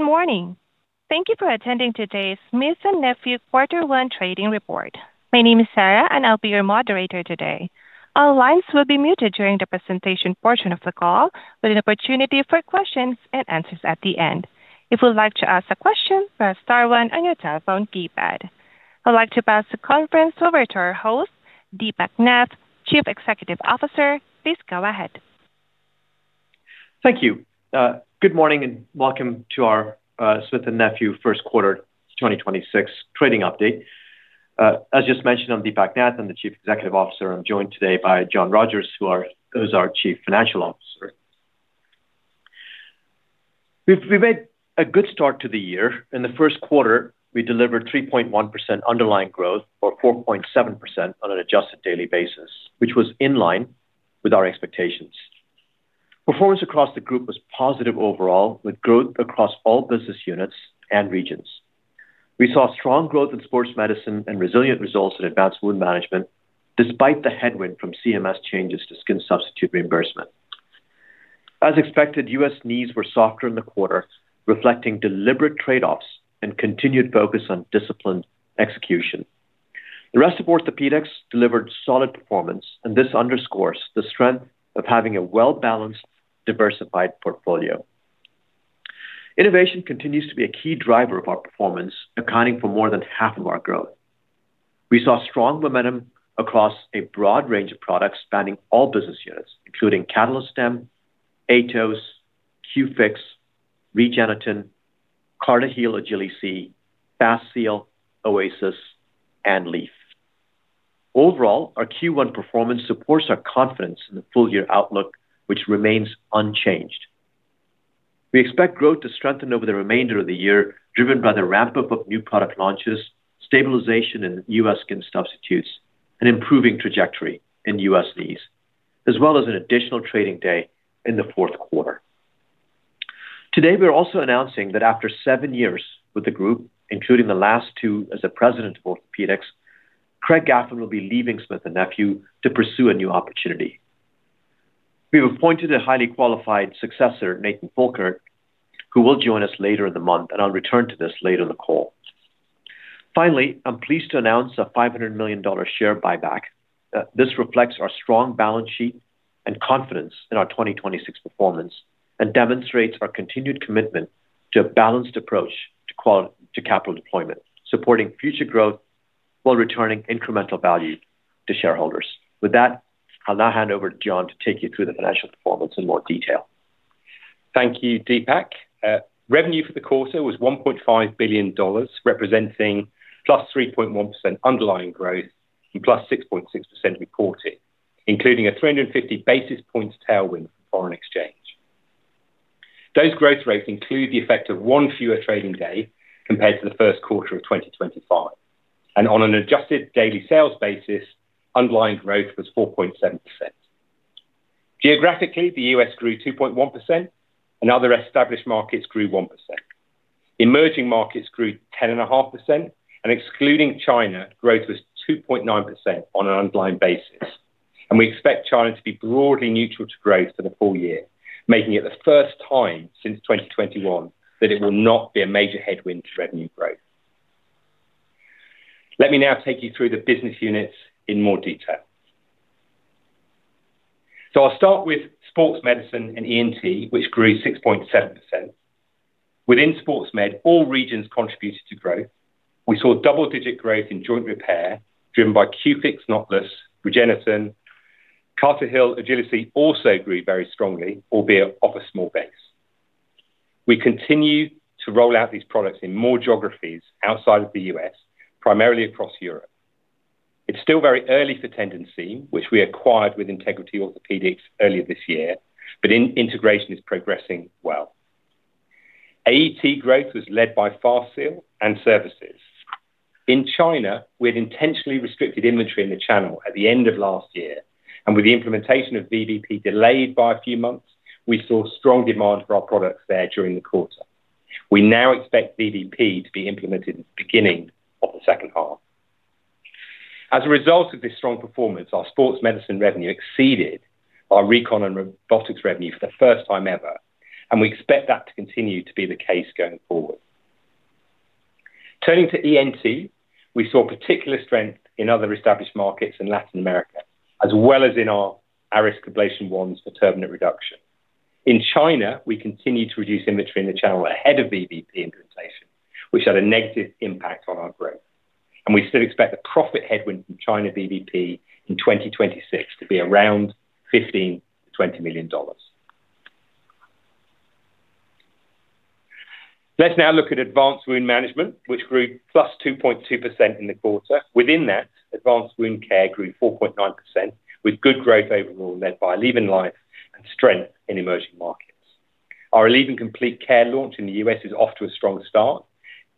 Good morning. Thank you for attending today's Smith & Nephew quarter 1 trading report. My name is Sarah, and I'll be your moderator today. All lines will be muted during the presentation portion of the call, with an opportunity for questions and answers at the end. If you'd like to ask a question, press star one on your telephone keypad. I'd like to pass the conference over to our host, Deepak Nath, Chief Executive Officer. Please go ahead. Thank you. Good morning and welcome to our Smith & Nephew first quarter 2026 trading update. As just mentioned, I'm Deepak Nath. I'm the Chief Executive Officer. I'm joined today by John Rogers who's our Chief Financial Officer. We've made a good start to the year. In the first quarter, we delivered 3.1% underlying growth or 4.7% on an adjusted daily basis, which was in line with our expectations. Performance across the group was positive overall, with growth across all business units and regions. We saw strong growth in Sports Medicine and resilient results in Advanced Wound Management despite the headwind from CMS changes to skin substitute reimbursement. As expected, U.S. knees were softer in the quarter, reflecting deliberate trade-offs and continued focus on disciplined execution. The rest of Orthopaedics delivered solid performance. This underscores the strength of having a well-balanced, diversified portfolio. Innovation continues to be a key driver of our performance, accounting for more than half of our growth. We saw strong momentum across a broad range of products spanning all business units, including CATALYSTEM, AETOS, Q-FIX, REGENETEN, CARTIHEAL AGILI-C, FASTSEAL, OASIS, and LEAF. Overall, our Q1 performance supports our confidence in the full-year outlook, which remains unchanged. We expect growth to strengthen over the remainder of the year, driven by the ramp-up of new product launches, stabilization in U.S. skin substitutes, an improving trajectory in U.S. knees, as well as an additional trading day in the fourth quarter. Today, we are also announcing that after seven years with the group, including the last two as the President of Orthopaedics, Craig Gaffin will be leaving Smith & Nephew to pursue a new opportunity. We have appointed a highly qualified successor, Nathan Folkert, who will join us later in the month. I'll return to this later in the call. I'm pleased to announce a $500 million share buyback. This reflects our strong balance sheet and confidence in our 2026 performance and demonstrates our continued commitment to a balanced approach to capital deployment, supporting future growth while returning incremental value to shareholders. With that, I'll now hand over to John to take you through the financial performance in more detail. Thank you, Deepak. Revenue for the quarter was $1.5 billion, representing +3.1% underlying growth and +6.6% reported, including a 350 basis points tailwind for foreign exchange. Those growth rates include the effect of one fewer trading day compared to the first quarter of 2025, on an adjusted daily sales basis, underlying growth was 4.7%. Geographically, the U.S. grew 2.1%, and other established markets grew 1%. Emerging markets grew 10.5%, and excluding China, growth was 2.9% on an underlying basis. We expect China to be broadly neutral to growth for the full year, making it the first time since 2021 that it will not be a major headwind to revenue growth. Let me now take you through the business units in more detail. I'll start with Sports Medicine & ENT, which grew 6.7%. Within sports med, all regions contributed to growth. We saw double-digit growth in joint repair, driven by Q-FIX KNOTLESS, REGENETEN. CARTIHEAL AGILI-C also grew very strongly, albeit off a small base. We continue to roll out these products in more geographies outside of the U.S., primarily across Europe. It's still very early for Tendon Seam, which we acquired with Integrity Orthopaedics earlier this year, but integration is progressing well. AET growth was led by FASTSEAL and services. In China, we had intentionally restricted inventory in the channel at the end of last year, and with the implementation of VBP delayed by a few months, we saw strong demand for our products there during the quarter. We now expect VBP to be implemented at the beginning of the second half. As a result of this strong performance, our sports medicine revenue exceeded our recon and robotics revenue for the first time ever, and we expect that to continue to be the case going forward. Turning to ENT, we saw particular strength in other established markets in Latin America, as well as in our ARIS ablation wands for turbinate reduction. In China, we continue to reduce inventory in the channel ahead of VBP implementation, which had a negative impact on our growth. We still expect a profit headwind from China VBP in 2026 to be around $15 million-$20 million. Let's now look at advanced wound management, which grew +2.2% in the quarter. Within that, advanced wound care grew 4.9% with good growth overall led by ALLEVYN Life and strength in emerging markets. Our ALLEVYN COMPLETE CARE launch in the U.S. is off to a strong start.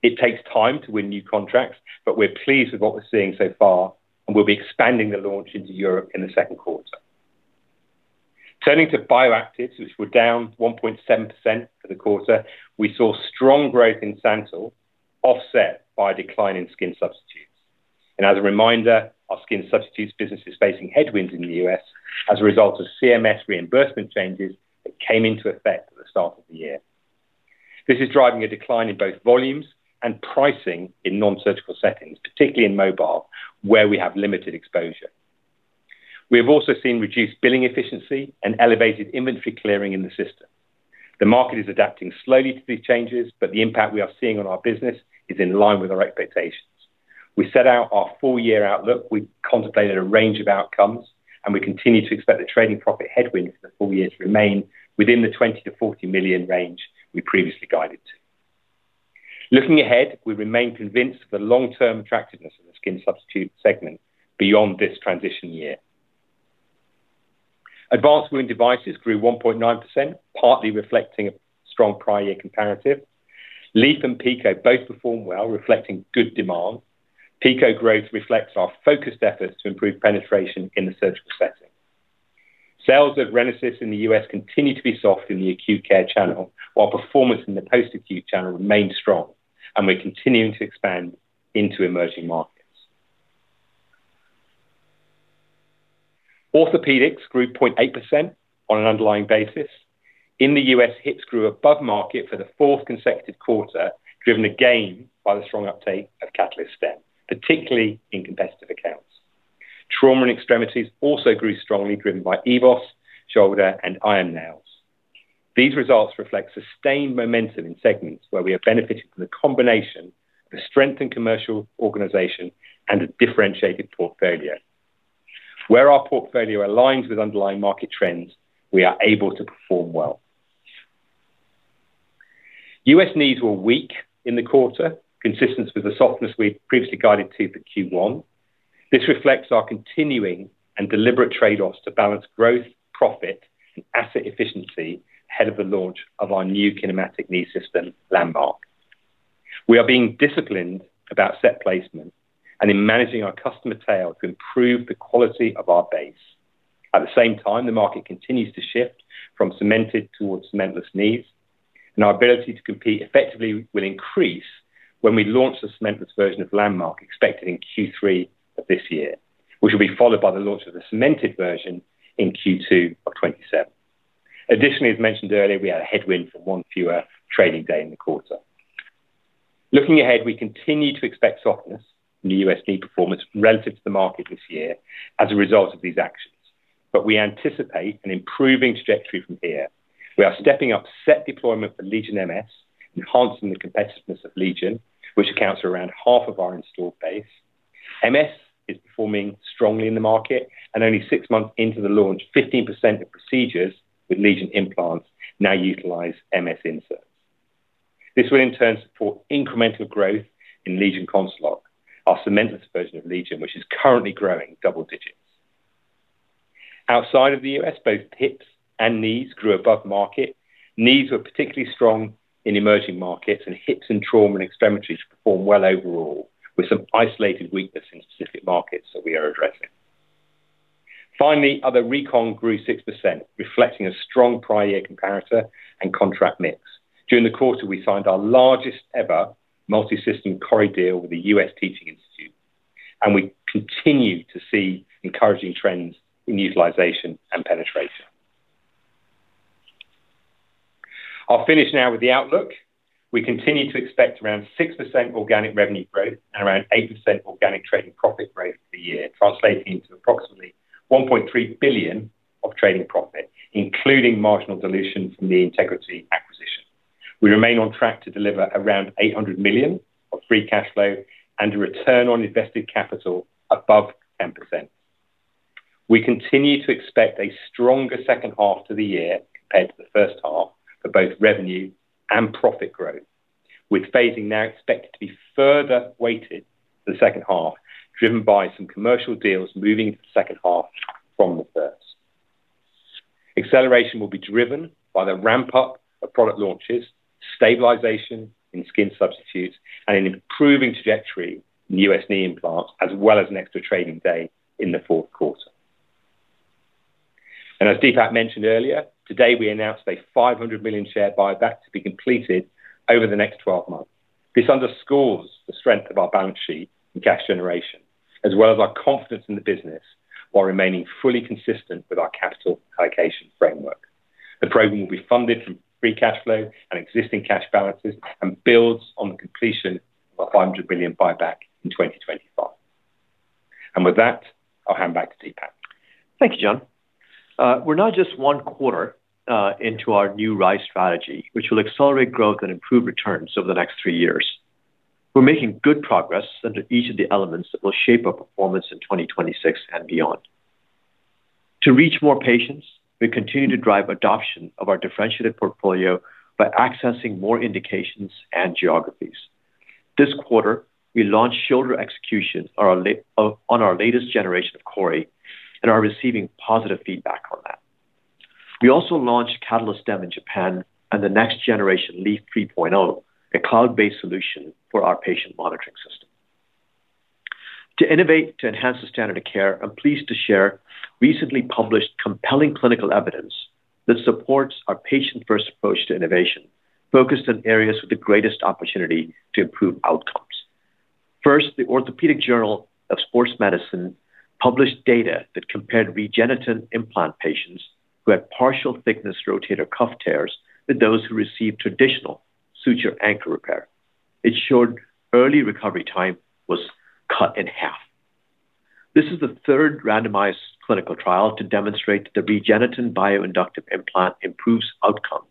It takes time to win new contracts, but we're pleased with what we're seeing so far, and we'll be expanding the launch into Europe in the second quarter. Turning to bioactives, which were down 1.7% for the quarter. We saw strong growth in SANTYL offset by a decline in skin substitutes. As a reminder, our skin substitutes business is facing headwinds in the U.S. as a result of CMS reimbursement changes that came into effect at the start of the year. This is driving a decline in both volumes and pricing in non-surgical settings, particularly in mobile, where we have limited exposure. We have also seen reduced billing efficiency and elevated inventory clearing in the system. The market is adapting slowly to these changes, the impact we are seeing on our business is in line with our expectations. We set out our full year outlook. We contemplated a range of outcomes, we continue to expect the trading profit headwind for the full year to remain within the $20 million-$40 million range we previously guided to. Looking ahead, we remain convinced of the long-term attractiveness of the skin substitute segment beyond this transition year. Advanced wound devices grew 1.9%, partly reflecting a strong prior year comparative. LEAF and PICO both performed well, reflecting good demand. PICO growth reflects our focused efforts to improve penetration in the surgical setting. Sales of RENASYS in the U.S. continue to be soft in the acute care channel, while performance in the post-acute channel remains strong, and we're continuing to expand into emerging markets. Orthopaedics grew 0.8% on an underlying basis. In the U.S., hips grew above market for the 4th consecutive quarter, driven again by the strong uptake of CATALYSTEM, particularly in competitive accounts. Trauma and extremities also grew strongly, driven by EVOS, shoulder, and INTERTAN Nails. These results reflect sustained momentum in segments where we have benefited from the combination of a strengthened commercial organization and a differentiated portfolio. Where our portfolio aligns with underlying market trends, we are able to perform well. U.S. knees were weak in the quarter, consistent with the softness we had previously guided to for Q1. This reflects our continuing and deliberate trade-offs to balance growth, profit, and asset efficiency ahead of the launch of our new kinematic knee system, Landmark. We are being disciplined about set placement and in managing our customer tail to improve the quality of our base. At the same time, the market continues to shift from cemented towards cementless knees, and our ability to compete effectively will increase when we launch the cementless version of Landmark expected in Q3 of this year, which will be followed by the launch of the cemented version in Q2 of 2027. Additionally, as mentioned earlier, we had a headwind from one fewer trading day in the quarter. Looking ahead, we continue to expect softness in the U.S. knee performance relative to the market this year as a result of these actions. We anticipate an improving trajectory from here. We are stepping up set deployment for LEGION MS, enhancing the competitiveness of LEGION, which accounts for around half of our installed base. MS is performing strongly in the market, and only six months into the launch, 15% of procedures with LEGION implants now utilize MS inserts. This will in turn support incremental growth in LEGION CONCELOC, our cementless version of LEGION, which is currently growing double digits. Outside of the U.S., both hips and knees grew above market. Knees were particularly strong in emerging markets, and hips and trauma and extremities performed well overall, with some isolated weakness in specific markets that we are addressing. Finally, other recon grew 6%, reflecting a strong prior year comparator and contract mix. During the quarter, we signed our largest ever multi-system CORI deal with the U.S. Teaching Institute, and we continue to see encouraging trends in utilization and penetration. I'll finish now with the outlook. We continue to expect around 6% organic revenue growth and around 8% organic trading profit growth for the year, translating into approximately $1.3 billion of trading profit, including marginal dilution from the Integrity acquisition. We remain on track to deliver around $800 million of free cash flow and a return on invested capital above 10%. We continue to expect a stronger second half to the year compared to the first half for both revenue and profit growth, with phasing now expected to be further weighted to the second half, driven by some commercial deals moving into the second half from the first. Acceleration will be driven by the ramp-up of product launches, stabilization in skin substitutes, and an improving trajectory in U.S. knee implants, as well as an extra trading day in the fourth quarter. As Deepak mentioned earlier, today we announced a $500 million share buyback to be completed over the next 12 months. This underscores the strength of our balance sheet and cash generation, as well as our confidence in the business while remaining fully consistent with our capital allocation framework. The program will be funded from free cash flow and existing cash balances and builds on the completion of a $500 million buyback in 2025. With that, I'll hand back to Deepak. Thank you, John. We're now just 1 quarter into our new RISE strategy, which will accelerate growth and improve returns over the next three years. We're making good progress under each of the elements that will shape our performance in 2026 and beyond. To reach more patients, we continue to drive adoption of our differentiated portfolio by accessing more indications and geographies. This quarter, we launched shoulder execution on our latest generation of CORI and are receiving positive feedback on that. We also launched CATALYSTEM in Japan and the next generation LEAF 3.0, a cloud-based solution for our patient monitoring system. To innovate to enhance the standard of care, I'm pleased to share recently published compelling clinical evidence that supports our patient-first approach to innovation, focused on areas with the greatest opportunity to improve outcomes. The Orthopaedic Journal of Sports Medicine published data that compared REGENETEN implant patients who had partial thickness rotator cuff tears with those who received traditional suture anchor repair. It showed early recovery time was cut in half. This is the third randomized clinical trial to demonstrate that the REGENETEN bioinductive implant improves outcome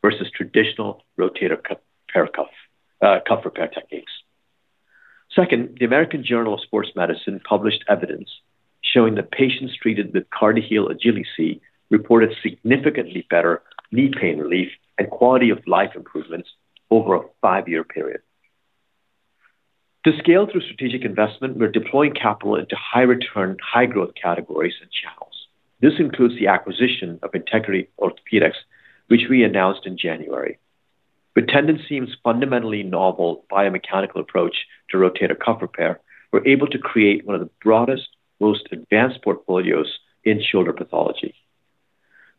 versus traditional rotator cuff repair techniques. The American Journal of Sports Medicine published evidence showing that patients treated with CARTIHEAL AGILI-C reported significantly better knee pain relief and quality of life improvements over a five-year period. To scale through strategic investment, we're deploying capital into high return, high growth categories and channels. This includes the acquisition of Integrity Orthopaedics, which we announced in January. With Tendon Seam's fundamentally novel biomechanical approach to rotator cuff repair, we're able to create one of the broadest, most advanced portfolios in shoulder pathology.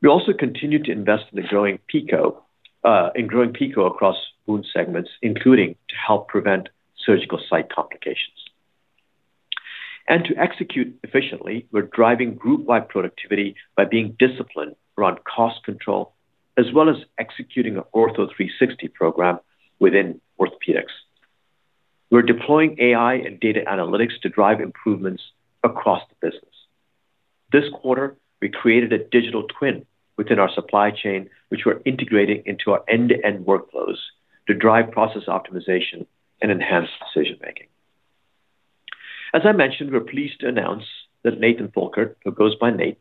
We also continue to invest in the growing PICO, in growing PICO across wound segments, including to help prevent surgical site complications. To execute efficiently, we're driving group-wide productivity by being disciplined around cost control, as well as executing an Ortho 360 program within orthopedics. We're deploying AI and data analytics to drive improvements across the business. This quarter, we created a digital twin within our supply chain, which we're integrating into our end-to-end workflows to drive process optimization and enhance decision-making. As I mentioned, we're pleased to announce that Nathan Folkert, who goes by Nate,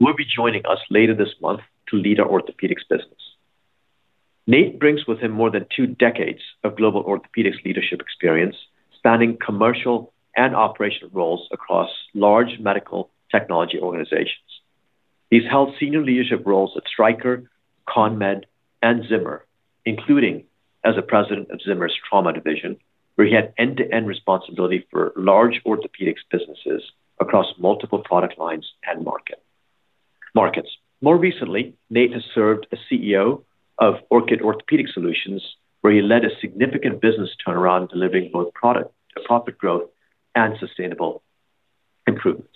will be joining us later this month to lead our orthopedics business. Nate brings with him more than two decades of global orthopedics leadership experience, spanning commercial and operational roles across large medical technology organizations. He's held senior leadership roles at Stryker, CONMED, and Zimmer, including as the President of Zimmer's trauma division, where he had end-to-end responsibility for large orthopedics businesses across multiple product lines and markets. More recently, Nate has served as CEO of Orchid Orthopedic Solutions, where he led a significant business turnaround, delivering both product to profit growth and sustainable improvements.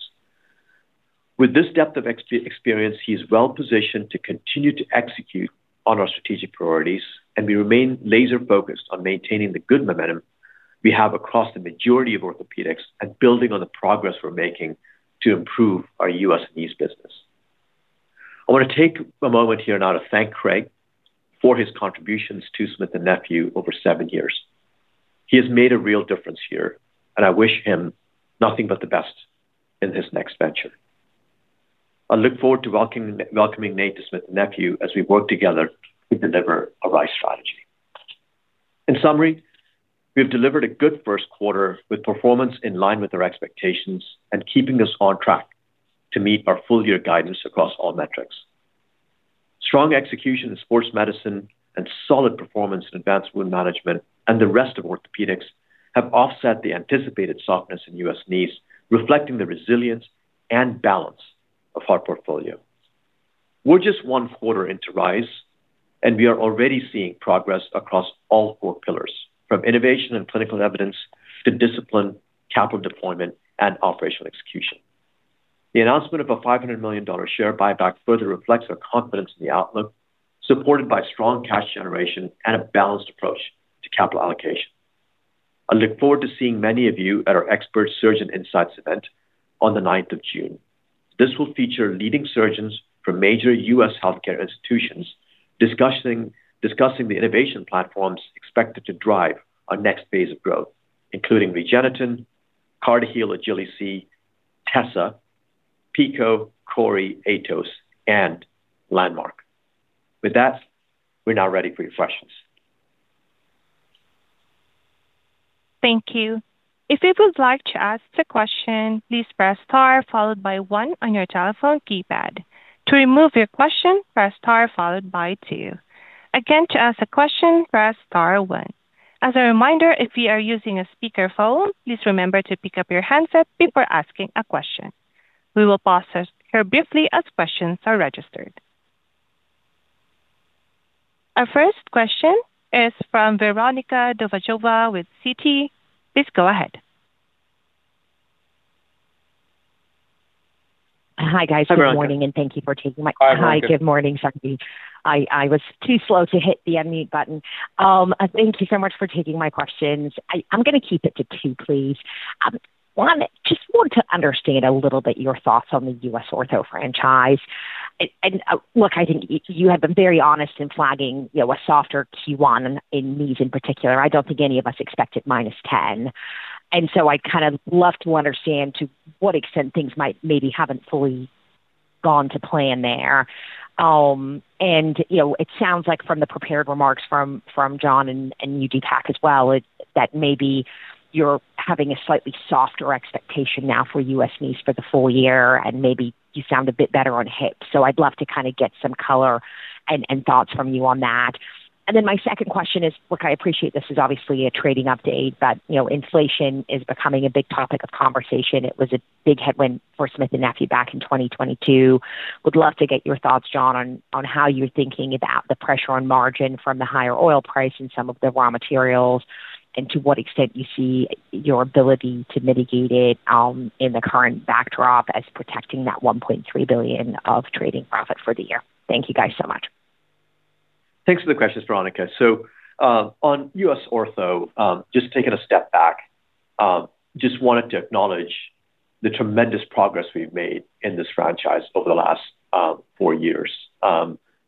With this depth of experience, he is well-positioned to continue to execute on our strategic priorities, and we remain laser-focused on maintaining the good momentum we have across the majority of orthopedics and building on the progress we're making to improve our U.S. knees business. I want to take a moment here now to thank Craig for his contributions to Smith & Nephew over seven years. He has made a real difference here. I wish him nothing but the best in his next venture. I look forward to welcoming Nate to Smith & Nephew as we work together to deliver a RISE strategy. In summary, we have delivered a good first quarter with performance in line with our expectations and keeping us on track to meet our full year guidance across all metrics. Strong execution in Sports Medicine and solid performance in Advanced Wound Management and the rest of orthopedics have offset the anticipated softness in U.S. knees, reflecting the resilience and balance of our portfolio. We're just one quarter into RISE, and we are already seeing progress across all four pillars, from innovation and clinical evidence to disciplined capital deployment and operational execution. The announcement of a $500 million share buyback further reflects our confidence in the outlook, supported by strong cash generation and a balanced approach to capital allocation. I look forward to seeing many of you at our Expert Surgeon Insights event on the ninth of June. This will feature leading surgeons from major U.S. healthcare institutions discussing the innovation platforms expected to drive our next phase of growth, including REGENETEN, CARTIHEAL AGILI-C, TESSA, PICO, CORI, AETOS, and Landmark. With that, we are now ready for your questions. Thank you. If you would like to ask a question, please press star followed by 1 on your telephone keypad. To remove your question, press star followed by two. Again, to ask a question, press star one. As a reminder, if you are using a speakerphone, please remember to pick up your handset before asking a question. We will pause here briefly as questions are registered. Our first question is from Veronika Dubajova with Citi. Please go ahead. Hi, guys. Hi, Veronika. Good morning. Thank you for taking. Hi, Veronika. Hi, good morning, [Deepak]. I was too slow to hit the unmute button. Thank you so much for taking my questions. I'm gonna keep it to two, please. One, just want to understand a little bit your thoughts on the U.S. Ortho franchise. Look, I think you have been very honest in flagging, you know, a softer Q1 in knees in particular. I don't think any of us expected -10. I'd kind of love to understand to what extent things might maybe haven't fully gone to plan there. You know, it sounds like from the prepared remarks from John and you Deepak as well, that maybe you're having a slightly softer expectation now for U.S. knees for the full year, and maybe you sound a bit better on hips. I'd love to kinda get some color and thoughts from you on that. My second question is, look, I appreciate this is obviously a trading update, but, you know, inflation is becoming a big topic of conversation. It was a big headwind for Smith & Nephew back in 2022. Would love to get your thoughts, John, on how you're thinking about the pressure on margin from the higher oil price and some of the raw materials, and to what extent you see your ability to mitigate it in the current backdrop as protecting that $1.3 billion of trading profit for the year. Thank you guys so much. Thanks for the questions, Veronika. On U.S. Ortho, just taking a step back, just wanted to acknowledge the tremendous progress we've made in this franchise over the last four years.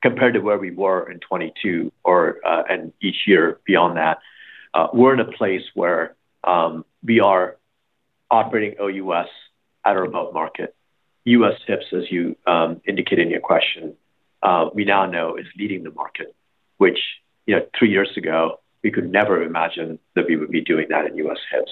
Compared to where we were in 22 or, and each year beyond that, we're in a place where we are operating OUS at or above market. U.S. hips, as you indicated in your question, we now know is leading the market, which, you know, three years ago, we could never imagine that we would be doing that in U.S. hips.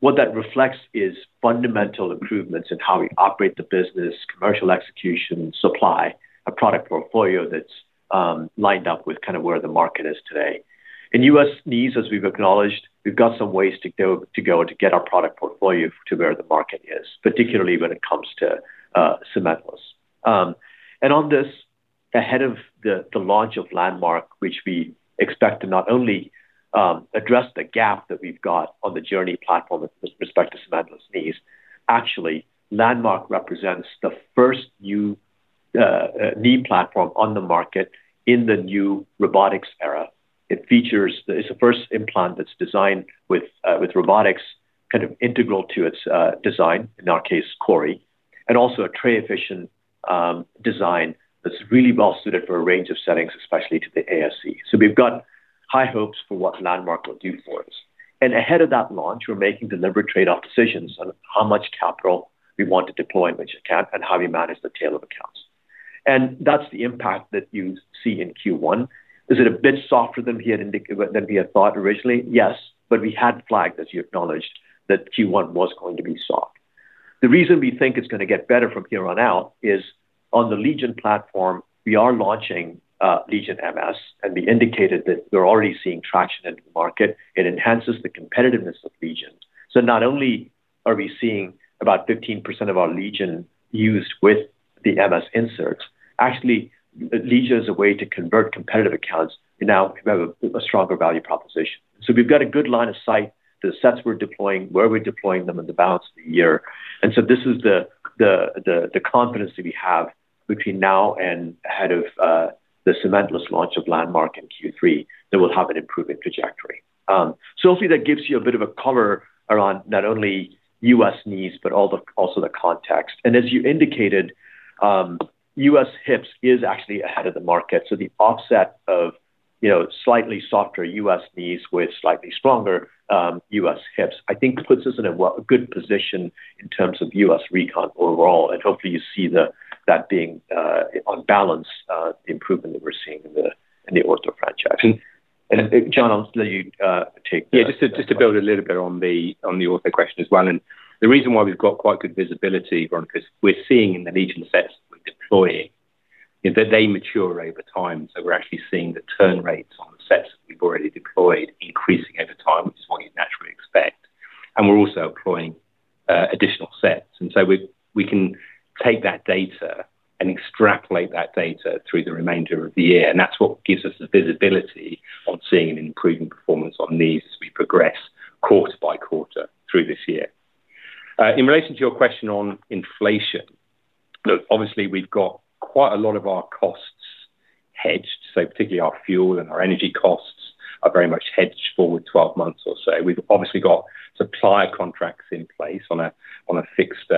What that reflects is fundamental improvements in how we operate the business, commercial execution, supply, a product portfolio that's lined up with kind of where the market is today. In U.S. knees, as we've acknowledged, we've got some ways to go to get our product portfolio to where the market is, particularly when it comes to cementless. On this, ahead of the launch of Landmark, which we expect to not only address the gap that we've got on the journey platform with respect to cementless knees. Actually, Landmark represents the first new knee platform on the market in the new robotics era. It's the first implant that's designed with robotics kind of integral to its design, in our case, CORI, and also a tray efficient design that's really well suited for a range of settings, especially to the ASC. We've got high hopes for what Landmark will do for us. Ahead of that launch, we're making deliberate trade-off decisions on how much capital we want to deploy in which account and how we manage the tail of accounts. That's the impact that you see in Q1. Is it a bit softer than we had thought originally? Yes. We had flagged, as you acknowledged, that Q1 was going to be soft. The reason we think it's gonna get better from here on out is on the LEGION platform, we are launching LEGION MS, and we indicated that we're already seeing traction in the market. It enhances the competitiveness of LEGION. Not only are we seeing about 15% of our LEGION used with the MS inserts, actually, LEGION is a way to convert competitive accounts, and now we have a stronger value proposition. We've got a good line of sight to the sets we're deploying, where we're deploying them in the balance of the year. This is the confidence that we have between now and ahead of the cementless launch of Landmark in Q3, that we'll have an improvement trajectory. Hopefully that gives you a bit of a color around not only U.S. knees, but also the context. As you indicated, U.S. hips is actually ahead of the market. The offset of, you know, slightly softer U.S. knees with slightly stronger U.S. hips, I think puts us in a good position in terms of U.S. recon overall, and hopefully you see that being on balance the improvement that we're seeing in the Ortho franchise. John, I'll let you. Just to build a little bit on the Ortho question as well. The reason why we've got quite good visibility, Veronika, is we're seeing in the LEGION sets that we're deploying is that they mature over time. We're actually seeing the turn rates on the sets that we've already deployed increasing over time, which is what you'd naturally expect. We're also deploying additional sets. We can take that data and extrapolate that data through the remainder of the year. That's what gives us the visibility on seeing an improving performance on knees as we progress quarter by quarter through this year. In relation to your question on inflation, obviously, we've got quite a lot of our costs hedged, so particularly our fuel and our energy costs are very much hedged forward 12 months or so. We've obviously got supplier contracts in place on a fixed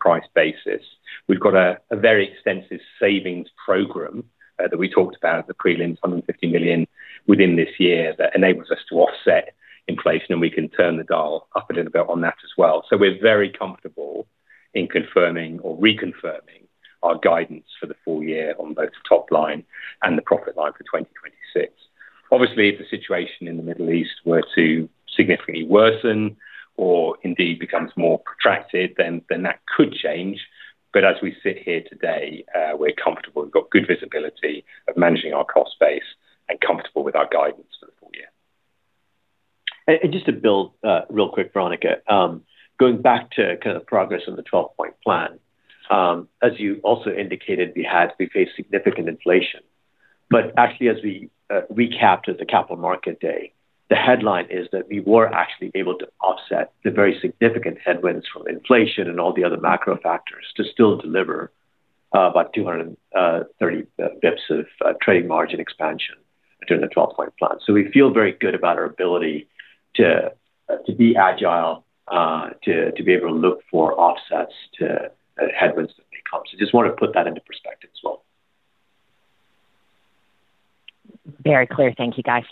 price basis. We've got a very extensive savings program that we talked about at the prelim, $150 million within this year that enables us to offset inflation. We can turn the dial up a little bit on that as well. We're very comfortable in confirming or reconfirming our guidance for the full year on both the top line and the profit line for 2026. If the situation in the Middle East were to significantly worsen or indeed becomes more protracted, then that could change. As we sit here today, we're comfortable. We've got good visibility of managing our cost base and comfortable with our guidance for the full year. Just to build real quick, Veronika, going back to kind of progress on the 12-Point Plan, as you also indicated, we faced significant inflation. Actually, as we recapped at the Capital Market Day, the headline is that we were actually able to offset the very significant headwinds from inflation and all the other macro factors to still deliver about 230 basis points of trading margin expansion during the Twelve-Point Plan. We feel very good about our ability to be agile, to be able to look for offsets to headwinds as they come. Just want to put that into perspective as well. Very clear. Thank you, guys.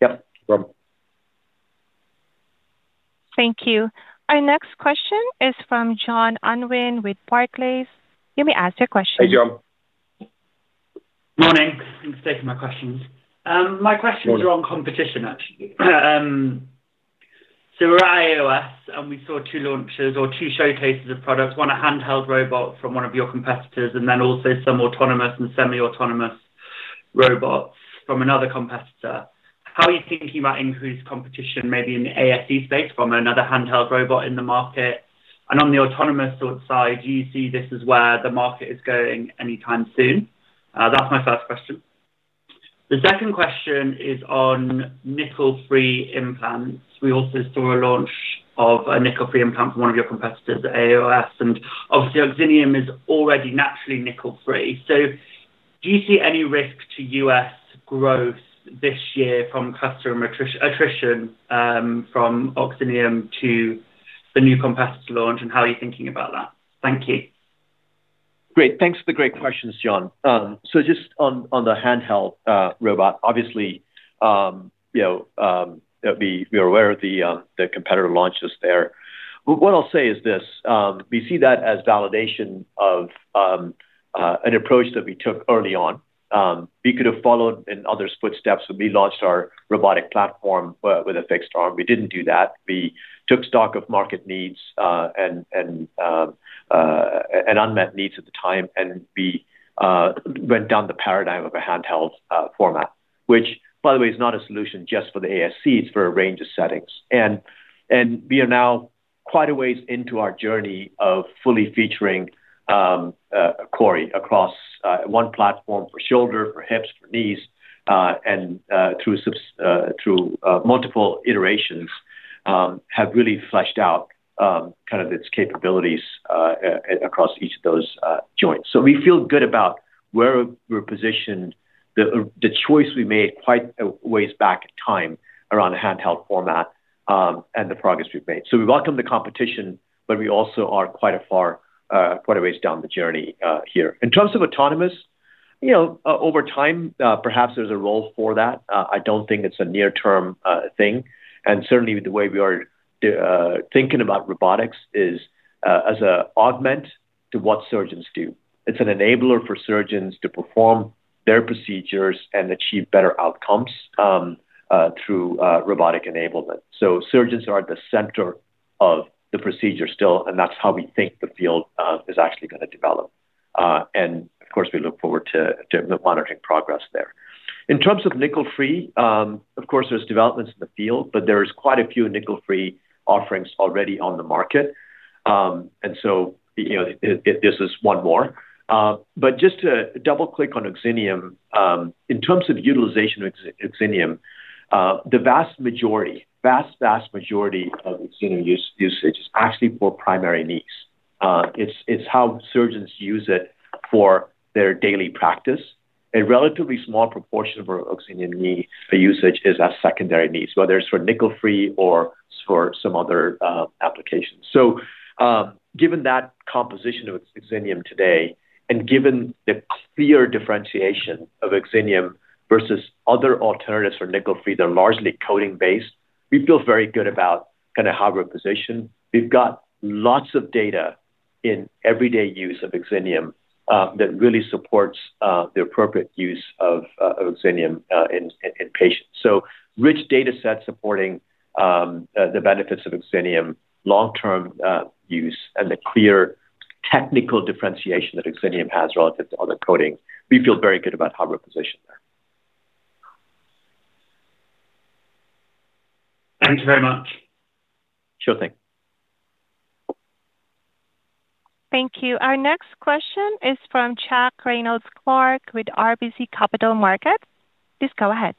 Yep. No problem. Thank you. Our next question is from John Unwin with Barclays. You may ask your question. Hey, John. Morning. Thanks for taking my questions. Morning are on competition, actually. We're at AAOS, and we saw two launches or two showcases of products. One, a handheld robot from one of your competitors, and then also some autonomous and semi-autonomous robots from another competitor. How are you thinking about increased competition, maybe in the ASC space from another handheld robot in the market? On the autonomous sort side, do you see this is where the market is going anytime soon? That's my first question. The second question is on nickel-free implants. We also saw a launch of a nickel-free implant from one of your competitors at AAOS, and obviously, OXINIUM is already naturally nickel-free. Do you see any risk to U.S. growth this year from customer attrition, from OXINIUM to the new competitor's launch, and how are you thinking about that? Thank you. Great. Thanks for the great questions, John. Just on the handheld robot, obviously, you know, you know, we are aware of the competitor launches there. What I'll say is this, we see that as validation of an approach that we took early on. We could have followed in others' footsteps when we launched our robotic platform with a fixed arm. We didn't do that. We took stock of market needs and unmet needs at the time, and we went down the paradigm of a handheld format, which, by the way, is not a solution just for the ASCs, for a range of settings. We are now quite a ways into our journey of fully featuring CORI across one platform for shoulder, for hips, for knees, and through multiple iterations, have really fleshed out kind of its capabilities across each of those joints. We feel good about where we're positioned, the choice we made quite a ways back in time around a handheld format, and the progress we've made. We welcome the competition, but we also are quite afar, quite a ways down the journey here. In terms of autonomous, you know, over time, perhaps there's a role for that. I don't think it's a near-term thing. Certainly, the way we are thinking about robotics is as a augment to what surgeons do. It's an enabler for surgeons to perform their procedures and achieve better outcomes through robotic enablement. Surgeons are at the center of the procedure still, and that's how we think the field is actually gonna develop. And of course, we look forward to monitoring progress there. In terms of nickel-free, of course, there's developments in the field, but there is quite a few nickel-free offerings already on the market. You know, this is one more. But just to double-click on OXINIUM, in terms of utilization of OXINIUM, the vast majority of OXINIUM usage is actually for primary knees. It's how surgeons use it for their daily practice. A relatively small proportion of our OXINIUM knee for usage is as secondary knees, whether it's for nickel-free or for some other applications. Given that composition of OXINIUM today, and given the clear differentiation of OXINIUM versus other alternatives for nickel-free, they're largely coating-based, we feel very good about kinda how we're positioned. We've got lots of data in everyday use of OXINIUM that really supports the appropriate use of OXINIUM in patients, rich data sets supporting the benefits of OXINIUM long-term use and the clear technical differentiation that OXINIUM has relative to other coatings. We feel very good about how we're positioned there. Thank you very much. Sure thing. Thank you. Our next question is from Jack Reynolds-Clark with RBC Capital Markets. Please go ahead.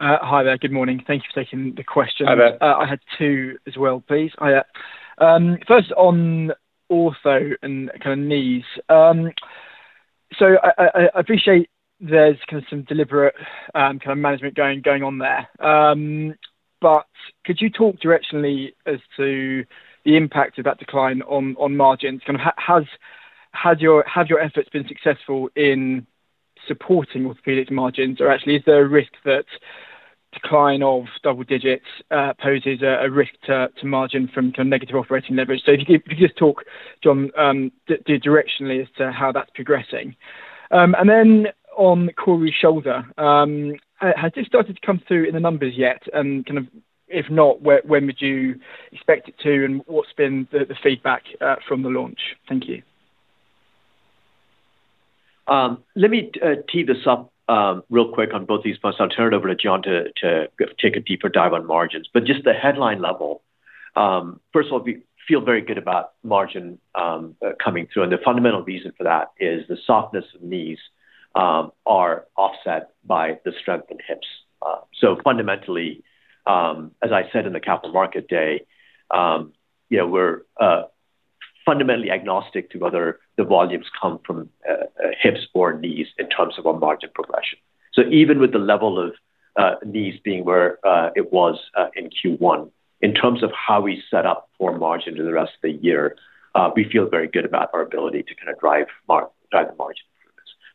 Hi there. Good morning. Thank you for taking the question. Hi there. I had 2 as well, please. I, first on ortho and kinda knees. I appreciate there's kind of some deliberate kind of management going on there. Could you talk directionally as to the impact of that decline on margins? Have your efforts been successful in supporting orthopedic margins, or actually, is there a risk that decline of double digits poses a risk to margin from kind of negative operating leverage? If you could just talk, John, directionally as to how that's progressing. On CORI Shoulder, has this started to come through in the numbers yet? Kind of if not, when would you expect it to, and what's been the feedback from the launch? Thank you. Let me tee this up real quick on both these first. I'll turn it over to John to take a deeper dive on margins. Just the headline level, first of all, we feel very good about margin coming through, and the fundamental reason for that is the softness of knees are offset by the strength in hips. Fundamentally, as I said in the capital market day, you know, we're fundamentally agnostic to whether the volumes come from hips or knees in terms of our margin progression. Even with the level of knees being where it was in Q1, in terms of how we set up for margin through the rest of the year, we feel very good about our ability to kinda drive the margin through this.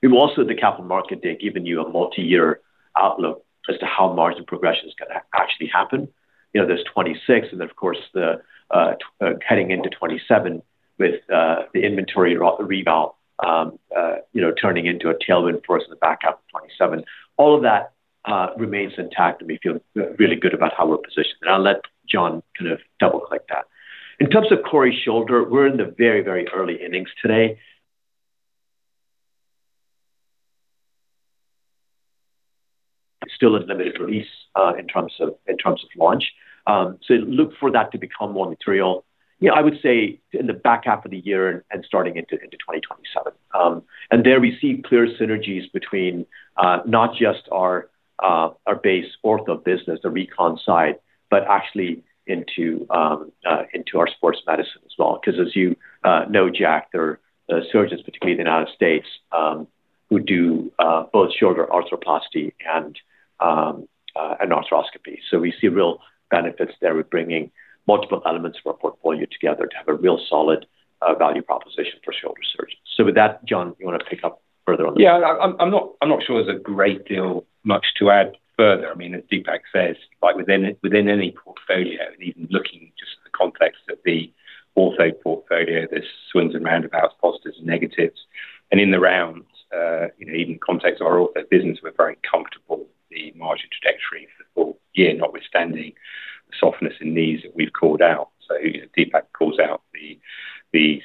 We've also, at the capital market day, given you a multi-year outlook as to how margin progression is gonna actually happen. You know, there's 2026, and then, of course, the heading into 2027 with the inventory rebound, you know, turning into a tailwind for us in the back half of 2027. All of that remains intact, and we feel really good about how we're positioned. I'll let John kind of double-click that. In terms of CORI Shoulder, we're in the very early innings today. It's still a limited release in terms of launch. Look for that to become more material, you know, I would say in the back half of the year and starting into 2027. There we see clear synergies between not just our base ortho business, the recon side, but actually into our sports medicine as well. As you know, Jack, there are surgeons, particularly in the U.S., who do both shoulder arthroplasty and arthroscopy. We see real benefits there with bringing multiple elements of our portfolio together to have a real solid value proposition for shoulder surgeons. With that, John, you wanna pick up further on this? I'm not sure there's a great deal much to add further. I mean, as Deepak says, like within any portfolio and even looking just at the context of the ortho portfolio, there's swings and roundabouts, positives and negatives. In the round, you know, even context of our ortho business, we're very comfortable with the margin trajectory for the full year, notwithstanding the softness in knees that we've called out. You know, Deepak calls out the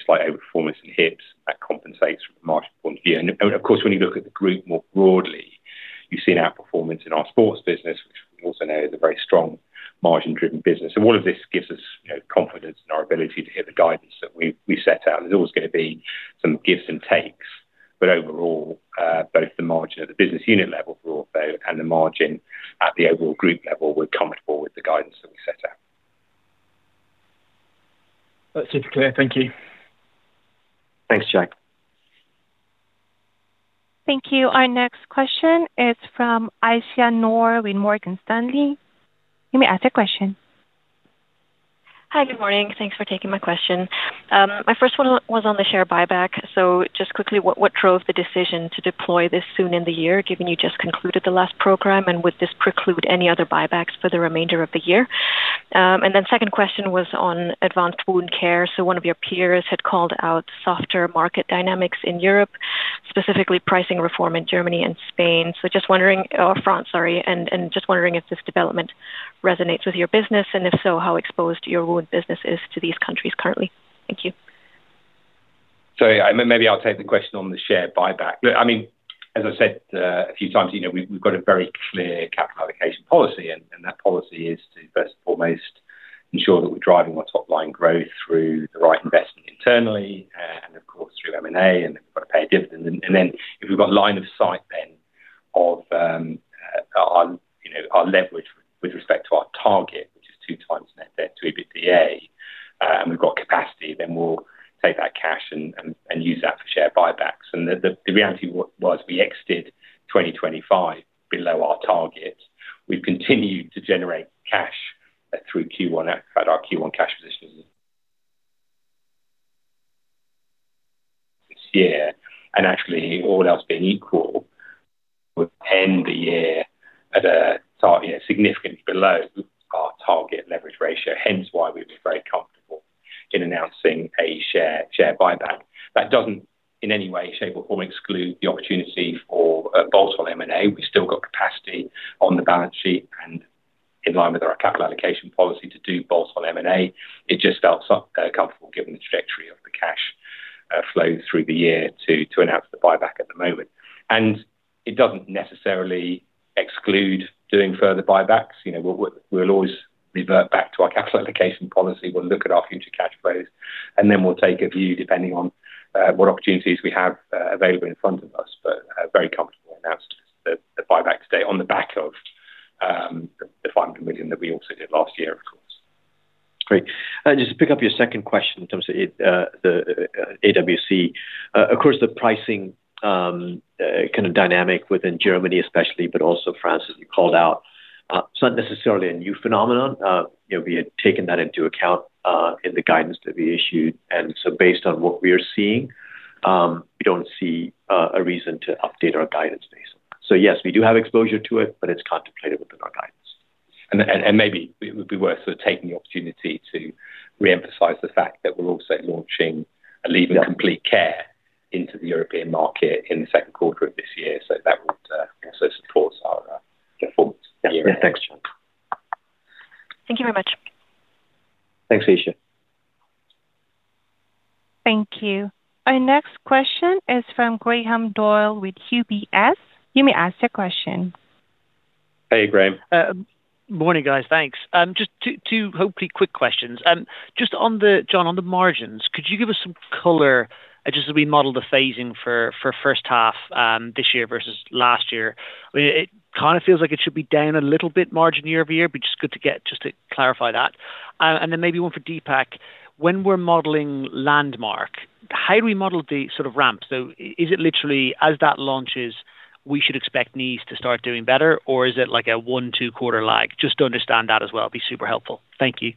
slight overperformance in hips that compensates from a margin point of view. Of course, when you look at the group more broadly, you've seen outperformance in our sports business, which we also know is a very strong margin-driven business. All of this gives us, you know, confidence in our ability to hit the guidance that we set out. There's always gonna be some gives and takes, but overall, both the margin at the business unit level for Ortho and the margin at the overall group level, we're comfortable with the guidance that we set out. That's super clear. Thank you. Thanks, Jack. Thank you. Our next question is from Aisyah Noor with Morgan Stanley. You may ask your question. Hi. Good morning. Thanks for taking my question. My first one was on the share buyback. Just quickly, what drove the decision to deploy this soon in the year, given you just concluded the last program, and would this preclude any other buybacks for the remainder of the year? Then second question was on advanced wound care. One of your peers had called out softer market dynamics in Europe, specifically pricing reform in Germany and Spain. Or France, sorry. Just wondering if this development resonates with your business, and if so, how exposed your wound business is to these countries currently. Thank you. Yeah, maybe I'll take the question on the share buyback. I mean, as I said a few times, you know, we've got a very clear capital allocation policy, and that policy is to first and foremost ensure that we're driving our top line growth through the right investment internally and of course, through M&A, and then we've got to pay a dividend. Then if we've got line of sight then of our, you know, our leverage with respect to our target, which is 2x net debt to EBITDA, and we've got capacity, then we'll take that cash and use that for share buybacks. The reality was we exited 2025 below our target. We've continued to generate cash through Q1 at our Q1 cash position this year. Actually, all else being equal, would end the year at a, you know, significantly below our target leverage ratio. Hence why we've been very comfortable in announcing a share buyback. That doesn't in any way, shape, or form exclude the opportunity for bolt-on M&A. We've still got capacity on the balance sheet and in line with our capital allocation policy to do bolt-on M&A. It just felt comfortable given the trajectory of the cash flow through the year to announce the buyback at the moment. It doesn't necessarily exclude doing further buybacks. You know, we'll always revert back to our capital allocation policy. We'll look at our future cash flows, and then we'll take a view depending on what opportunities we have available in front of us. Very comfortable to announce the buyback today on the back of the $500 million that we also did last year, of course. Great. Just to pick up your second question in terms of the AWC. Of course, the pricing kind of dynamic within Germany especially, but also France, as you called out, it's not necessarily a new phenomenon. You know, we had taken that into account in the guidance that we issued. Based on what we're seeing, we don't see a reason to update our guidance based on that. Yes, we do have exposure to it, but it's contemplated within our guidance. Maybe it would be worth sort of taking the opportunity to reemphasize the fact that we are also launching ALLEVYN COMPLETE CARE into the European market in the second quarter of this year. That would also support our performance year-end. Yeah. Yeah. Thanks, John. Thank you very much. Thanks, Aisyah. Thank you. Our next question is from Graham Doyle with UBS. You may ask your question. Hey, Graham. Morning, guys. Thanks. Just two hopefully quick questions. Just John, on the margins, could you give us some color, just as we model the phasing for first half this year versus last year? I mean, it kind of feels like it should be down a little bit margin year-over-year, but good to get to clarify that. Then maybe one for Deepak. When we're modeling Landmark, how do we model the sort of ramp? Is it literally as that launches, we should expect knees to start doing better, or is it like a one, 2 quarter lag? Just to understand that as well. It would be super helpful. Thank you.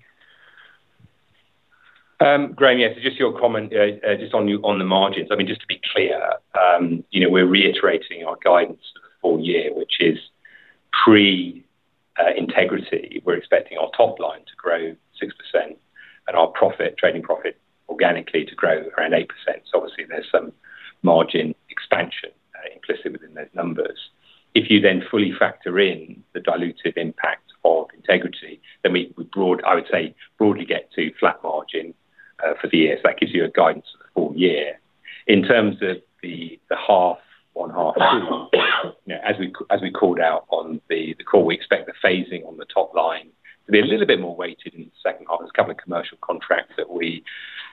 Graham, yes. Just your comment on the margins. Just to be clear, we're reiterating our guidance for the full year, which is pre-Integrity, we're expecting our top line to grow 6% and our profit, trading profit organically to grow around 8%. Obviously, there's some margin expansion implicit within those numbers. If you fully factor in the diluted impact of Integrity, we broadly get to flat margin for the year. That gives you a guidance for the full year. In terms of the half 1, half 2, as we called out on the call, we expect the phasing on the top line to be a little bit more weighted in the second half. There's 2 commercial contracts that we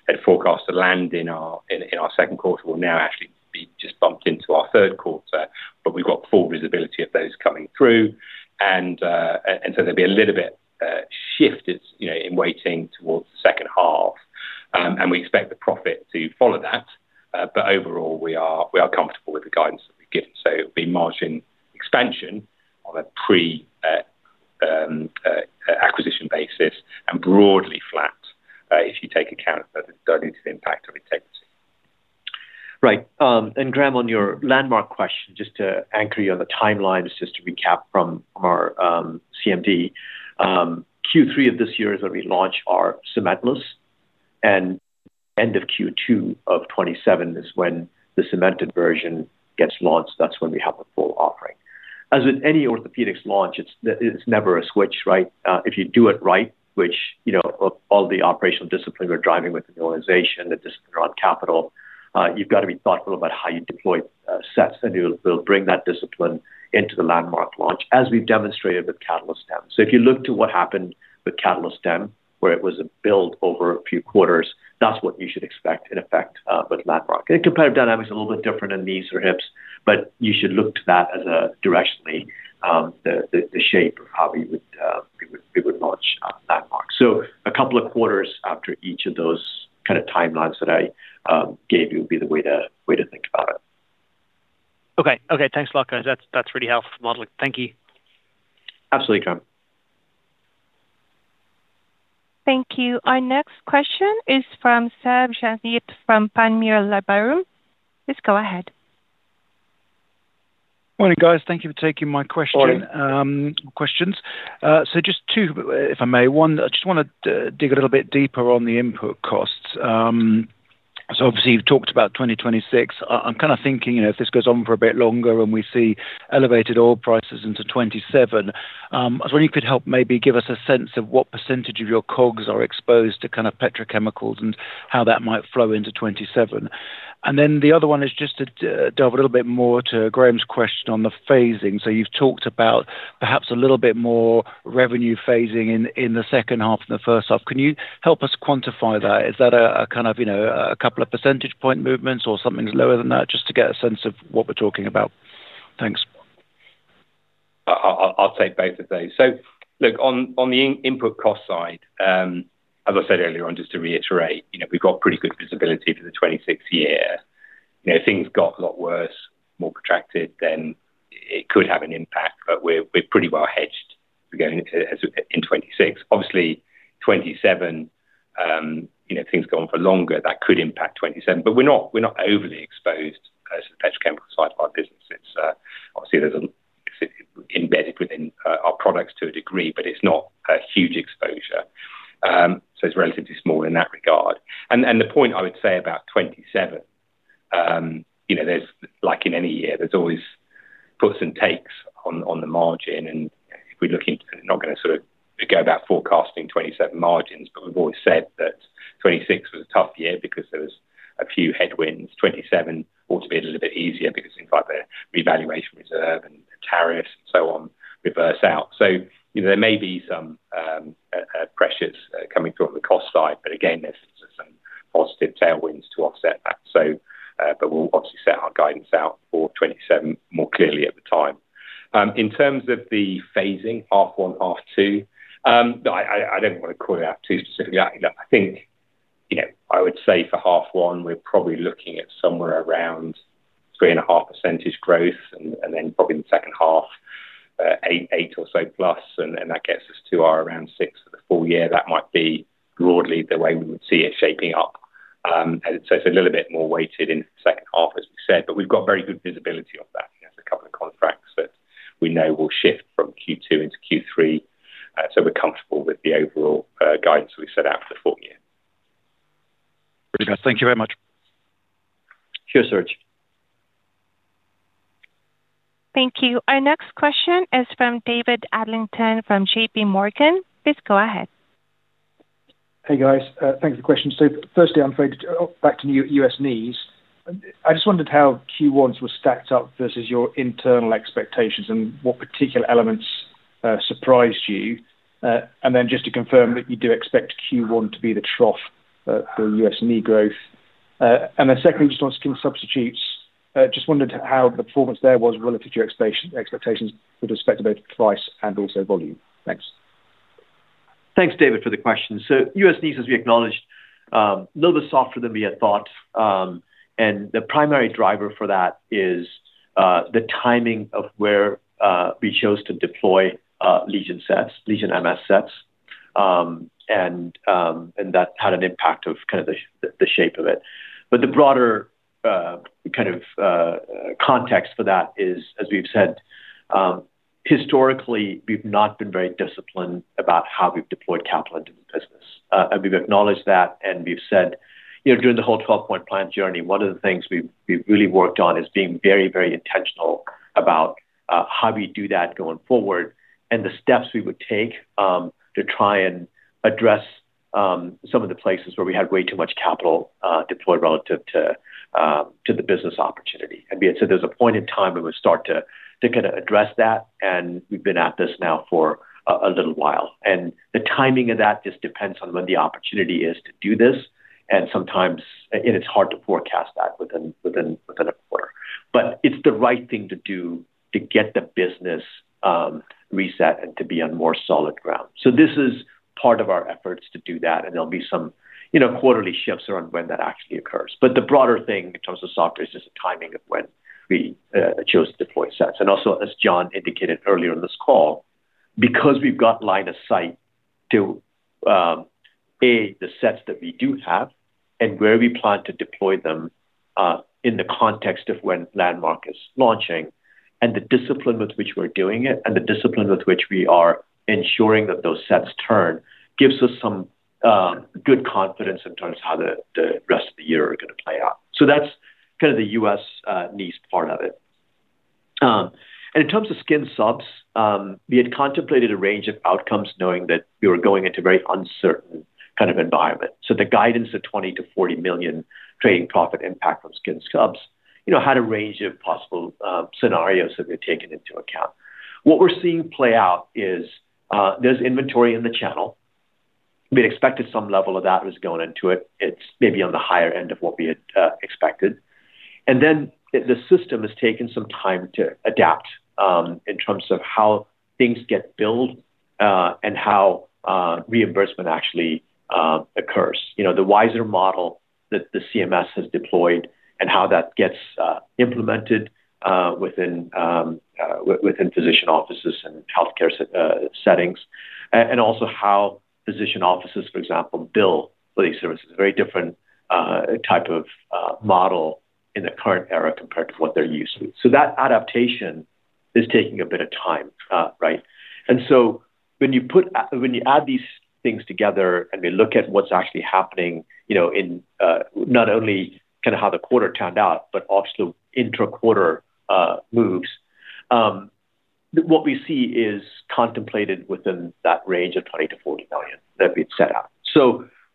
had forecast to land in our 2nd quarter will now actually be just bumped into our 3rd quarter. We've got full visibility of those coming through and there'll be a little bit shifted, you know, in weighting towards the 2nd half. We expect the profit to follow that. Overall, we are comfortable with the guidance that we've given. It'll be margin expansion on a pre-acquisition basis and broadly flat if you take account of the diluted impact of Integrity. Right. Graham, on your Landmark question, just to anchor you on the timeline, just to recap from our CMD. Q3 of this year is when we launch our cementless, and end of Q2 of 2027 is when the cemented version gets launched. That's when we have a full offering. As with any orthopedics launch, it's never a switch, right? If you do it right, which, you know, all the operational discipline we're driving with the organization, the discipline around capital, you've got to be thoughtful about how you deploy sets, and you'll bring that discipline into the Landmark launch, as we've demonstrated with CATALYSTEM. If you look to what happened with CATALYSTEM, where it was a build over a few quarters, that's what you should expect in effect with Landmark. The competitive dynamic is a little bit different in knees or hips, but you should look to that as a directionally, the shape of how we would launch Landmark. A couple of quarters after each of those kind of timelines that I gave you would be the way to think about it. Okay. Okay, thanks a lot, guys. That's really helpful for modeling. Thank you. Absolutely, Graham. Thank you. Our next question is from [Sav Javeet] from Panmure Liberum. Please go ahead. Morning, guys. Thank you for taking my question. Morning questions. Just two, if I may. One, I just wanna dig a little bit deeper on the input costs. Obviously, you've talked about 2026. I'm kind of thinking, you know, if this goes on for a bit longer and we see elevated oil prices into 2027, I was wondering if you could help maybe give us a sense of what percentage of your COGS are exposed to kind of petrochemicals and how that might flow into 2027. The other one is just to dive a little bit more to Graham's question on the phasing. You've talked about perhaps a little bit more revenue phasing in the second half than the first half. Can you help us quantify that? Is that a kind of, you know, a couple of percentage point movements or something lower than that, just to get a sense of what we are talking about? Thanks. I'll take both of those. Look, on the input cost side, as I said earlier on, just to reiterate, you know, we've got pretty good visibility for the 2026 year. Things got a lot worse, more protracted, then it could have an impact, but we're pretty well hedged going as we in 2026. Obviously, 2027, you know, things go on for longer, that could impact 2027. We're not, we're not overly exposed as the petrochemical side of our business. It's obviously, it's embedded within our products to a degree, but it's not a huge exposure. It's relatively small in that regard. The point I would say about 2027, you know, like in any year, there's always puts and takes on the margin. if we're looking not gonna sort of go about forecasting '27 margins, we've always said that '26 was a tough year because there was a few headwinds. '27 ought to be a little bit easier because things like the revaluation reserve and tariffs and so on reverse out. you know, there may be some pressures coming through on the cost side, but again, there's some positive tailwinds to offset that. we'll obviously set our guidance out for '27 more clearly at the time. in terms of the phasing, half one, half two, I don't wanna call it out too specifically. I think, you know, I would say for half one, we're probably looking at somewhere around 3.5% growth and then probably in the second half, 8 or so plus, and that gets us to around 6% for the full year. That might be broadly the way we would see it shaping up. It's a little bit more weighted in the second half, as we said, but we've got very good visibility of that. You know, there's a couple of contracts that we know will shift from Q2 into Q3, so we're comfortable with the overall guidance we set out for the full year. Brilliant. Thank you very much. Sure, Serge. Thank you. Our next question is from David Adlington from JPMorgan. Please go ahead. Hey, guys. Thanks for the question. Firstly, I'm afraid, back to U.S. knees. I just wondered how Q1s were stacked up versus your internal expectations and what particular elements surprised you. Just to confirm that you do expect Q1 to be the trough for U.S. knee growth. Secondly, just on skin substitutes, just wondered how the performance there was relative to your expectations with respect to both price and also volume. Thanks. Thanks, David, for the question. U.S. knees, as we acknowledged, a little bit softer than we had thought. The primary driver for that is the timing of where we chose to deploy LEGION sets, LEGION MS sets. That had an impact of kind of the shape of it. The broader, kind of, context for that is, as we've said, historically, we've not been very disciplined about how we've deployed capital into the business. We've acknowledged that, and we've said, you know, during the whole 12-point plan journey, one of the things we've really worked on is being very, very intentional about how we do that going forward and the steps we would take to try and address some of the places where we had way too much capital deployed relative to the business opportunity. We had said there's a point in time when we start to kinda address that, and we've been at this now for a little while. The timing of that just depends on when the opportunity is to do this. Sometimes it's hard to forecast that within a quarter. It's the right thing to do to get the business reset and to be on more solid ground. This is part of our efforts to do that, and there'll be some, you know, quarterly shifts around when that actually occurs. The broader thing in terms of software is just the timing of when we chose to deploy sets. Also, as John indicated earlier in this call, because we've got line of sight to A, the sets that we do have and where we plan to deploy them, in the context of when Landmark is launching and the discipline with which we're doing it and the discipline with which we are ensuring that those sets turn, gives us some good confidence in terms of how the rest of the year are gonna play out. That's kind of the U.S. knees part of it. In terms of skin subs, we had contemplated a range of outcomes knowing that we were going into a very uncertain kind of environment. The guidance of $20 million-$40 million trading profit impact from skin subs, you know, had a range of possible scenarios that we had taken into account. What we're seeing play out is there's inventory in the channel. We had expected some level of that was going into it. It's maybe on the higher end of what we had expected. The system has taken some time to adapt in terms of how things get billed and how reimbursement actually occurs. You know, the wiser model that the CMS has deployed and how that gets implemented within physician offices and healthcare settings, and also how physician offices, for example, bill for these services. Very different type of model in the current era compared to what they're used to. That adaptation is taking a bit of time, right? When you add these things together and we look at what's actually happening, you know, in not only kind of how the quarter turned out, but also intra-quarter moves, what we see is contemplated within that range of $20 million-$40 million that we'd set out.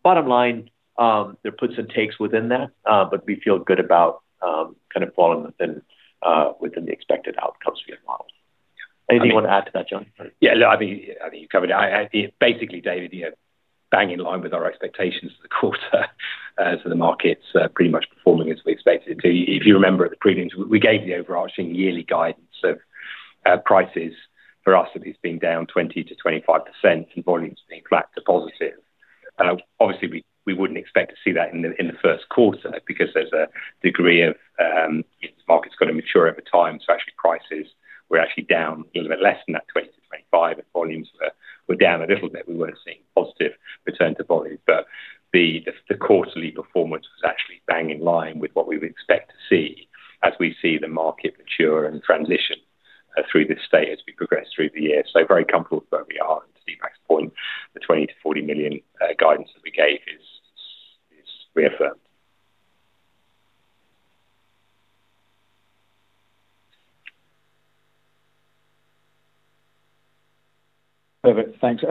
Bottom line, there are puts and takes within that, but we feel good about kind of falling within the expected outcomes for your models. Anything you want to add to that, John? I mean, you covered it. Basically, David, you know, bang in line with our expectations for the quarter. The market's pretty much performing as we expected it to. If you remember at the premiums, we gave the overarching yearly guidance of prices for us, if it's been down 20%-25% and volumes being flat to positive. Obviously, we wouldn't expect to see that in the first quarter because there's a degree of, you know, this market's got to mature over time. Actually prices were actually down a little bit less than that 20-25, and volumes were down a little bit. We weren't seeing positive return to volume. The quarterly performance was actually bang in line with what we would expect to see as we see the market mature and transition through this state as we progress through the year. Very comfortable with where we are. To Deepak's point, the $20 million-$40 million guidance that we gave is reaffirmed. Perfect. Thanks.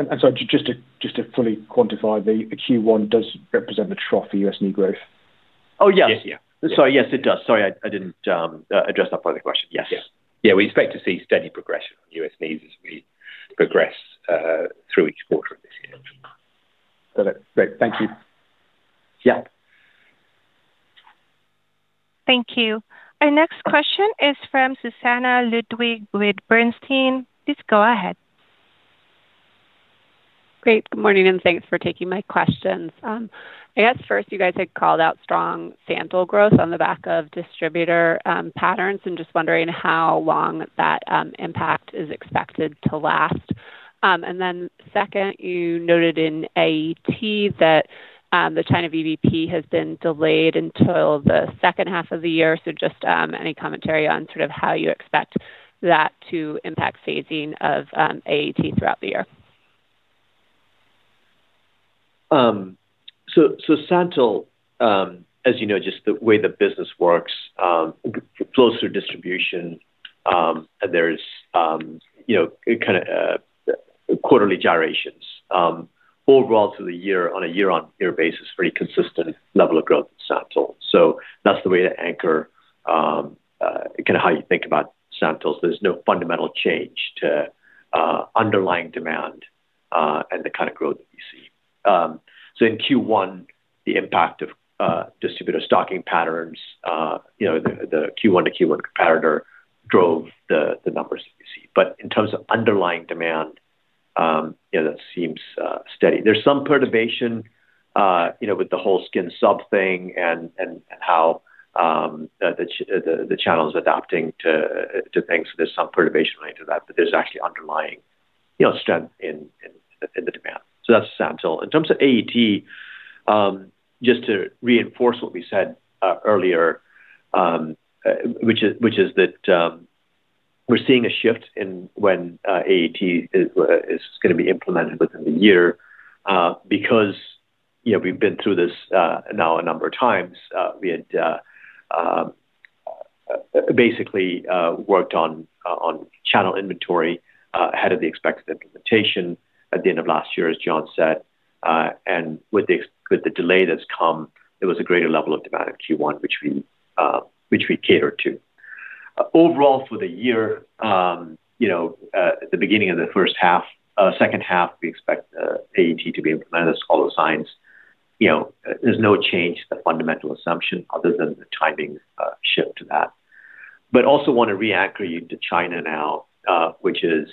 Just to fully quantify, the Q1 does represent the trough for U.S. knee growth? Oh, yes. Yeah. Yes, it does. Sorry, I didn't address that part of the question. Yes. Yeah. Yeah, we expect to see steady progression on U.S. knees as we progress through each quarter of this year. Perfect. Great. Thank you. Yeah. Thank you. Our next question is from Susannah Ludwig with Bernstein. Please go ahead. Great. Good morning, and thanks for taking my questions. I guess first you guys had called out strong SANTYL growth on the back of distributor patterns and just wondering how long that impact is expected to last. Second, you noted in AET that the China VBP has been delayed until the second half of the year. Just any commentary on sort of how you expect that to impact phasing of AET throughout the year. SANTYL, as you know, just the way the business works, flows through distribution, and there's, you know, kinda, quarterly gyrations. Overall through the year on a year-on-year basis, pretty consistent level of growth in SANTYL. That's the way to anchor, kinda how you think about SANTYL. There's no fundamental change to underlying demand and the kind of growth that we see. In Q1, the impact of distributor stocking patterns, you know, the Q1 to Q1 comparator drove the numbers that you see. In terms of underlying demand, you know, that seems steady. There's some perturbation, you know, with the whole skin sub thing and how the channel's adapting to things, there's some perturbation related to that, but there's actually underlying, you know, strength in the demand. That's SANTYL. In terms of AET, just to reinforce what we said earlier, which is that we're seeing a shift in when AET is gonna be implemented within the year, because, you know, we've been through this now a number of times. We had basically worked on channel inventory ahead of the expected implementation at the end of last year, as John said. With the delay that's come, there was a greater level of demand in Q1, which we catered to. Overall for the year, you know, at the beginning of the first half, second half, we expect AET to be implemented as all the signs. You know, there's no change to the fundamental assumption other than the timing shift to that. Also wanna re-anchor you to China now, which is,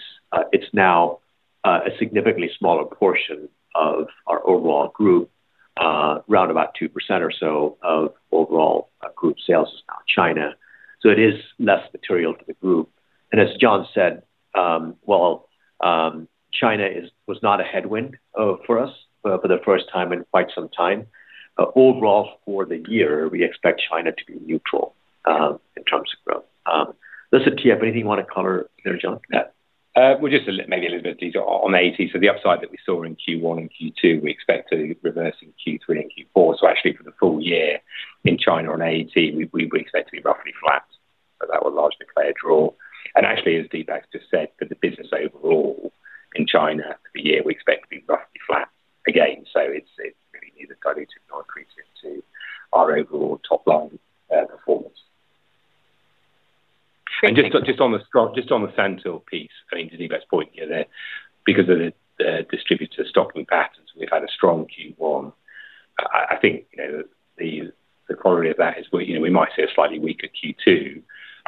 it's now a significantly smaller portion of our overall group. Round about 2% or so of overall group sales is now China, it is less material to the group. As John said, while China was not a headwind for us for the first time in quite some time, overall for the year, we expect China to be neutral in terms of growth. Listen, do you have anything you wanna color there, John? Yeah. Well, just maybe a little bit of detail on AET. The upside that we saw in Q1 and Q2, we expect to reverse in Q3 and Q4. Actually, for the full year in China on AET, we expect to be roughly flat, that will largely play a draw. Actually, as Deepak's just said, for the business overall in China for the year, we expect to be roughly flat again. It's really neither dilutive nor accretive to our overall top line performance. Great, thank you. Just, just on the Scott, just on the SANTYL piece, I mean, to Deepak's point, you know, that because of the distributor stocking patterns, we've had a strong Q1. I think, you know, the corollary of that is we, you know, we might see a slightly weaker Q2.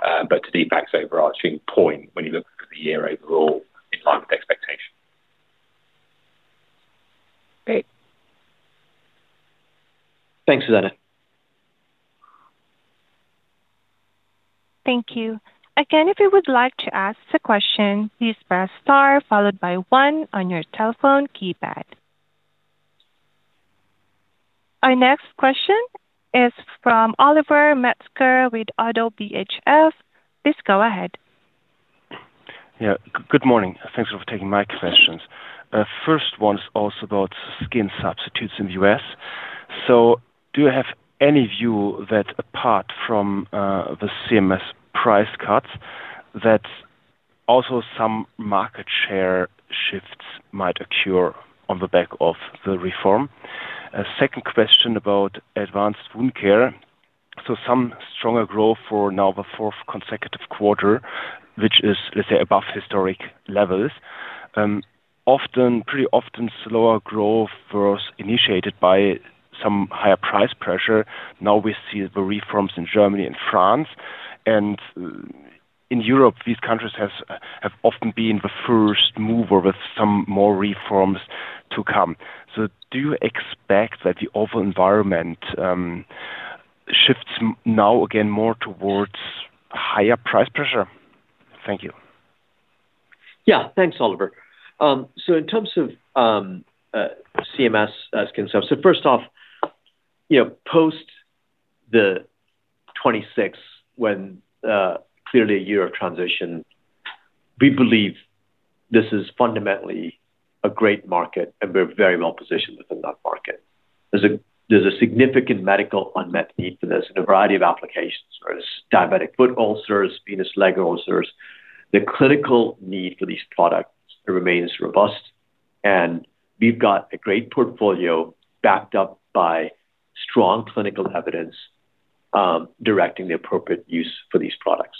To Deepak's overarching point, when you look at the year overall, in line with expectation. Great. Thanks, John. Thank you. Again, if you would like to ask a question, please press star followed by one on your telephone keypad. Our next question is from Oliver Metzger with ODDO BHF. Please go ahead. Good morning. Thanks for taking my questions. First one is also about skin substitutes in the U.S. Do you have any view that apart from the CMS price cuts, that also some market share shifts might occur on the back of the reform? Second question about advanced wound care. Some stronger growth for now the 4th consecutive quarter, which is, let's say, above historic levels. Often, pretty often, slower growth was initiated by some higher price pressure. Now we see the reforms in Germany and France. In Europe, these countries have often been the first mover with some more reforms to come. Do you expect that the overall environment now again more towards higher price pressure? Thank you. Thanks, Oliver. In terms of CMS skin subs, first off, you know, post the 26, when clearly a year of transition, we believe this is fundamentally a great market, and we're very well positioned within that market. There's a significant medical unmet need for this in a variety of applications, whether it's diabetic foot ulcers, venous leg ulcers. The clinical need for these products remains robust, and we've got a great portfolio backed up by strong clinical evidence, directing the appropriate use for these products.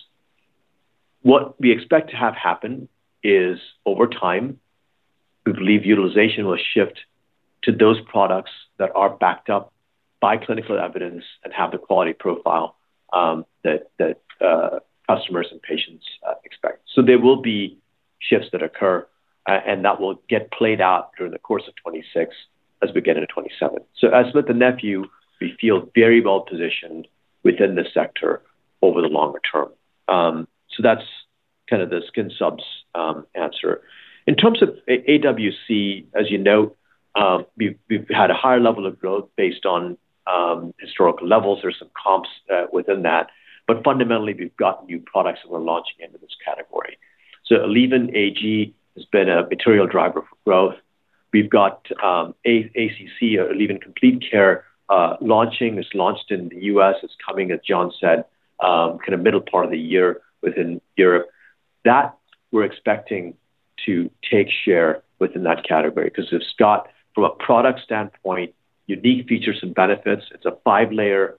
What we expect to have happen is, over time, we believe utilization will shift to those products that are backed up by clinical evidence and have the quality profile that customers and patients expect. There will be shifts that occur, and that will get played out during the course of 2026 as we get into 2027. As with Smith & Nephew, we feel very well positioned within the sector over the longer term. That's kind of the skin subs answer. In terms of AWC, as you know, we've had a higher level of growth based on historical levels. There's some comps within that. Fundamentally, we've got new products that we're launching into this category. ALLEVYN Ag has been a material driver for growth. We've got ACC or ALLEVYN COMPLETE CARE launching. It's launched in the U.S. It's coming, as John said, kind of middle part of the year within Europe. That we're expecting to take share within that category. It's got, from a product standpoint, unique features and benefits. It's a 5-layer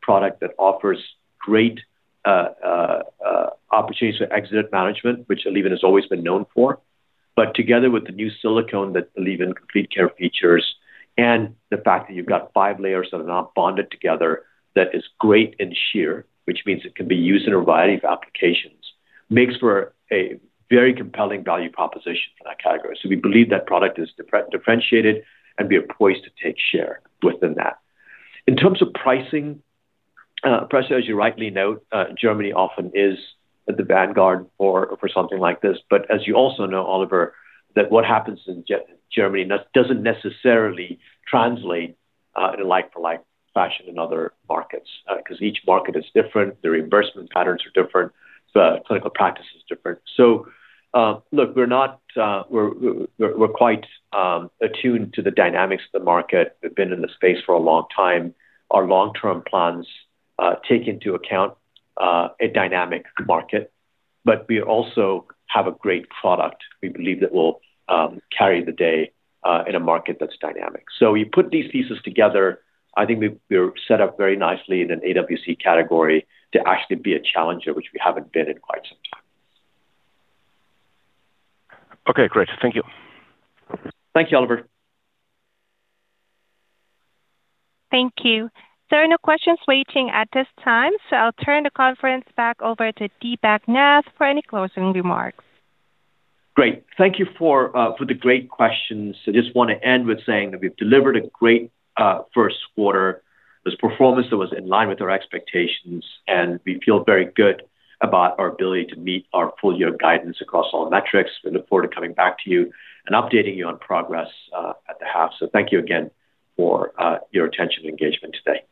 product that offers great opportunities for exit management, which ALLEVYN has always been known for. Together with the new silicone that ALLEVYN COMPLETE CARE features and the fact that you've got 5 layers that are not bonded together, that is great and sheer, which means it can be used in a variety of applications, makes for a very compelling value proposition for that category. We believe that product is differentiated, and we are poised to take share within that. In terms of pricing, as you rightly note, Germany often is the vanguard for something like this. As you also know, Oliver, that what happens in Germany doesn't necessarily translate in a like for like fashion in other markets, 'cause each market is different, the reimbursement patterns are different, the clinical practice is different. Look, we're not, we're quite attuned to the dynamics of the market. We've been in the space for a long time. Our long-term plans take into account a dynamic market, we also have a great product we believe that will carry the day in a market that's dynamic. We put these pieces together. I think we're set up very nicely in an AWC category to actually be a challenger, which we haven't been in quite some time. Okay, great. Thank you. Thank you, Oliver. Thank you. There are no questions waiting at this time. I'll turn the conference back over to Deepak Nath for any closing remarks. Great. Thank you for the great questions. Just wanna end with saying that we've delivered a great first quarter. This performance that was in line with our expectations, and we feel very good about our ability to meet our full year guidance across all metrics. We look forward to coming back to you and updating you on progress at the half. Thank you again for your attention and engagement today.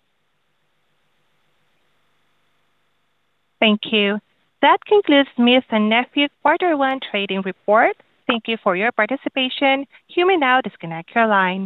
Thank you. That concludes Smith & Nephew quarter one trading report. Thank you for your participation. You may now disconnect your line.